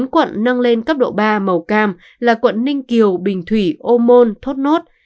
bốn quận nâng lên cấp độ ba màu cam là quận ninh kiều bình thủy ô môn thốt nốt